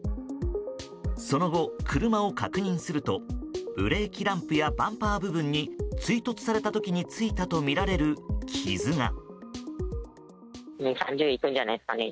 その後、車を確認するとブレーキランプやバンパー部分に追突された時についたとみられる傷が。